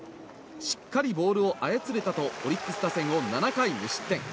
しっかりボールを操れたとオリックス打線を７回無失点。